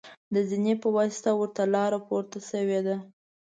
د زینې په واسطه ورته لاره پورته شوې ده.